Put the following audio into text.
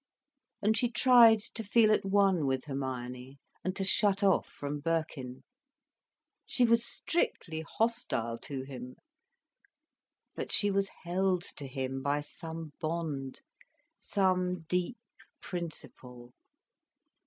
And she tried to feel at one with Hermione, and to shut off from Birkin. She was strictly hostile to him. But she was held to him by some bond, some deep principle.